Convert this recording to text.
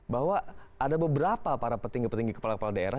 bahwa ada beberapa para petinggi petinggi kepala kepala daerah